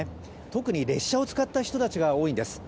特に、列車を使った人たちが多いんです。